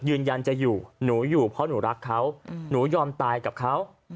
ยืนยันจะอยู่หนูอยู่เพราะหนูรักเขาหนูยอมตายกับเขา